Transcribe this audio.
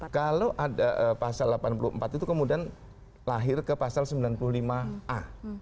kalau ada pasal delapan puluh empat itu kemudian lahir ke pasal sembilan puluh lima a